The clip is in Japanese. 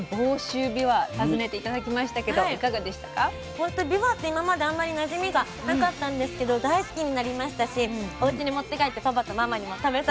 ほんとびわって今まであんまりなじみがなかったんですけど大好きになりましたしおうちに持って帰ってパパとママにも食べさせてあげました。